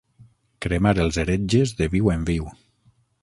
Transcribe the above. Cremar els heretges de viu en viu.